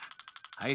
はい。